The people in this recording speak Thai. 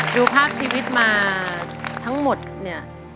ดูภาพชีวิตมาทั้งหมดเนี่ย